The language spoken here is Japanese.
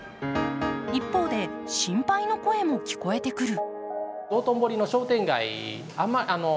一方で、心配の声も聞こえてくる。